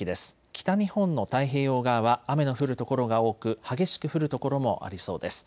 北日本の太平洋側は雨の降る所が多く激しく降る所もありそうです。